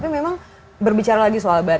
belum ada yang berbicara lagi soal batik